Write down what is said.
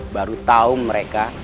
baru tahu mereka